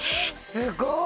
すごい。